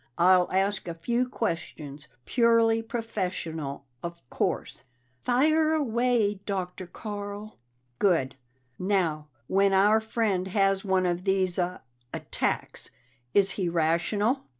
"I'll ask a few questions purely professional, of course." "Fire away, Dr. Carl." "Good. Now, when our friend has one of these uh attacks, is he rational?